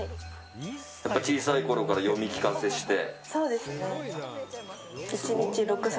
小さいころから読み聞かせして。